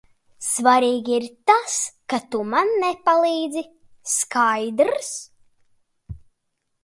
Svarīgi ir tas, ka tu man nepalīdzi, skaidrs?